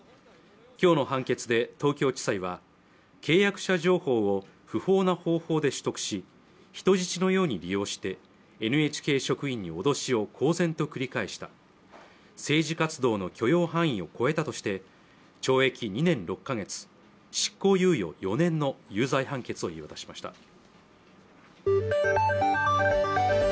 きょうの判決で東京地裁は契約者情報を不法な方法で取得し人質のように利用してＮＨＫ職員に脅しを公然と繰り返した政治活動の許容範囲を超えたとして懲役２年６か月執行猶予４年の有罪判決を言い渡しました